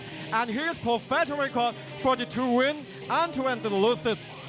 และนี่คือสำคัญของเขาที่จะช่วยอันตุแอนด์ดินลูซิส